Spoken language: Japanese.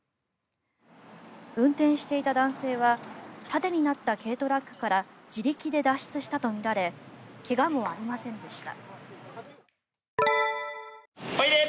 運転していた男性は縦になった軽トラックから自力で脱出したとみられ怪我もありませんでした。